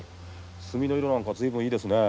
墨の色なんか随分いいですね。